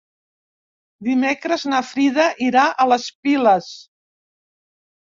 Dimecres na Frida irà a les Piles.